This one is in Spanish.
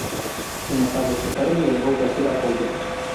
Enojado, su padre le negó cualquier apoyo.